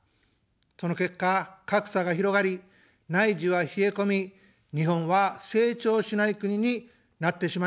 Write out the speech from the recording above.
その結果、格差が広がり、内需は冷え込み、日本は「成長しない国」になってしまいました。